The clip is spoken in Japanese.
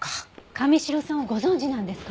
神城さんをご存じなんですか？